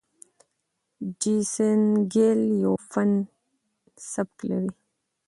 جیسن ګیل یو فن سبک لري.